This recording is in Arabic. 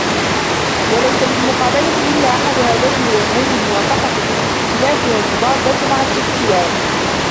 وَلَيْسَ لِلْمُقَابَلَةِ إلَّا أَحَدُ هَذَيْنِ الْوَجْهَيْنِ الْمُوَافَقَةُ فِي الِائْتِلَافِ وَالْمُضَادَّةُ مَعَ الِاخْتِلَافِ